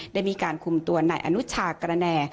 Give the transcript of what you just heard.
ได้มีการคุมตัวนายอนุชากระแน่